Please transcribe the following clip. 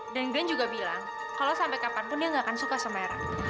dan glenn juga bilang kalau sampai kapanpun dia nggak akan suka sama era